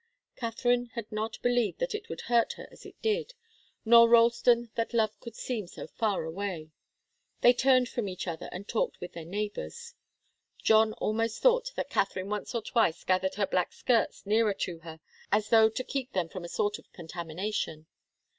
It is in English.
Katharine had not believed that it would hurt her as it did, nor Ralston that love could seem so far away. They turned from each other and talked with their neighbours. John almost thought that Katharine once or twice gathered her black skirts nearer to her, as though to keep them from a sort of contamination.